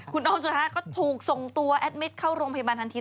คุณออมสุธาก็ถูกส่งตัวแอดมิตรเข้าโรงพยาบาลทันที